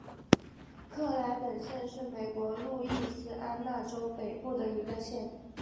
克莱本县是美国路易斯安那州北部的一个县。